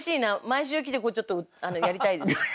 毎週来てこうちょっとやりたいです。